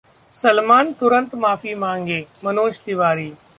सलमान तुरंत माफी मांगे: मनोज तिवारी